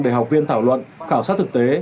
để học viên thảo luận khảo sát thực tế